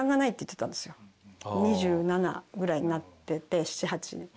２７ぐらいになってて。